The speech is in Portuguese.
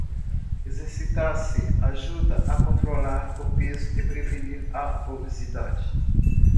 Exercitar-se ajuda a controlar o peso e prevenir a obesidade.